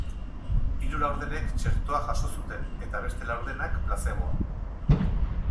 Hiru laurdenek txertoa jaso zuten, eta beste laurdenak plazeboa.